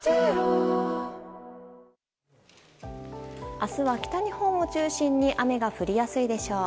明日は北日本を中心に雨が降りやすいでしょう。